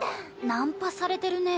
ナンパされてるね。